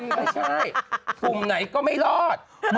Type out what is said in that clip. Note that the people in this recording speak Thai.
ไม่ใช่กลุ่มไหนก็ไม่รอด